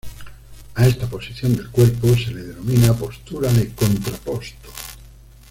A esta posición del cuerpo se le denomina postura de "contrapposto".